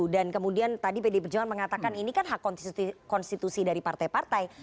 dan kemudian tadi pdi perjuangan mengatakan ini kan hak konstitusi dari partai partai